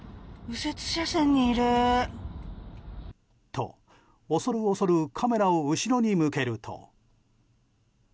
と、恐る恐るカメラを後ろに向けると。